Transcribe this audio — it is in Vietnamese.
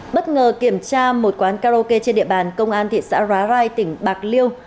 bất ngờ kiểm tra một quán karaoke trên địa bàn công an thị xã hóa rai tỉnh bạc liêu